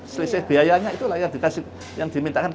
selisih biayanya itu yang dimintakan kita